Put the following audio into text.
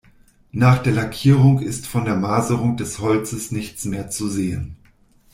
Nach der Lackierung ist von der Maserung des Holzes nichts mehr zu sehen.